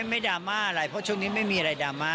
ไม่ดราม่าอะไรเพราะช่วงนี้ไม่มีอะไรดราม่า